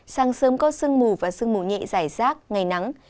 sáng sớm có sương mù và sương mù nhẹ giải rác ngày nắng